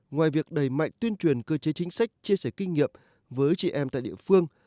ngoài việc đẩy mạnh tuyên truyền cơ chế chính sách chia sẻ kinh nghiệm với chị em tại địa phương